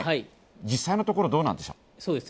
実際のところ、どうなんでしょう？